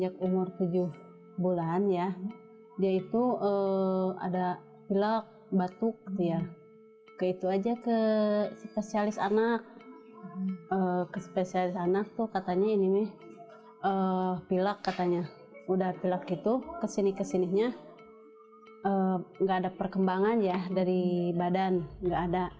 kesini kesininya nggak ada perkembangan ya dari badan nggak ada